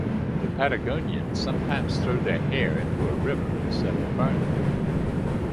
The Patagonians sometimes throw their hair into a river instead of burning it.